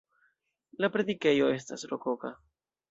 La predikejo estas rokoka.